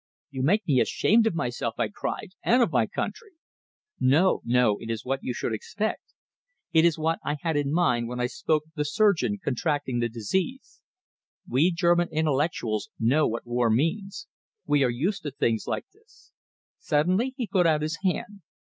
"You make me ashamed of myself," I cried "and of my country!" "No, no! It is what you should expect. It is what I had in mind when I spoke of the surgeon contracting the disease. We German intellectuals know what war means; we are used to things like this." Suddenly he put out his hand.